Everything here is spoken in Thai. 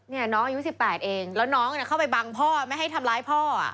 เนี้ยน้องอายุสิบแปดเองแล้วน้องเนี้ยเข้าไปบังพ่อไม่ให้ทำร้ายพ่ออ่ะ